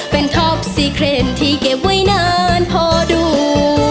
เป็นท็อปซีเครนที่เก็บไว้นานพอดู